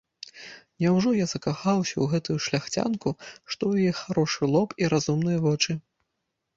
Няўжо я закахаўся ў гэтую шляхцянку, што ў яе харошы лоб і разумныя вочы.